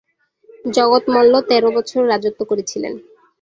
জগৎ মল্ল তের বছর রাজত্ব করেছিলেন।